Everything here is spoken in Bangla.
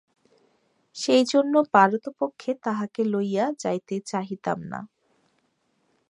সেইজন্য পারতপক্ষে তাহাকে লইয়া যাইতে চাহিতাম না।